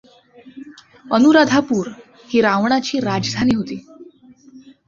अनुराधापूर ही रावणाची राजधानी होती.